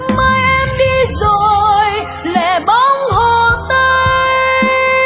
mai em đi rồi lẻ bóng hồ tây